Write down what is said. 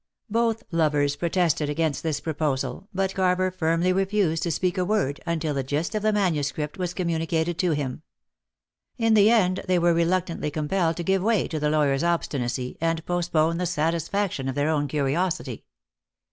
Both lovers protested against this proposal, but Carver firmly refused to speak a word until the gist of the manuscript was communicated to him. In the end they were reluctantly compelled to give way to the lawyer's obstinacy, and postpone the satisfaction of their own curiosity.